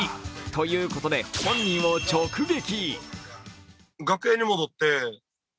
ということで本人を直撃。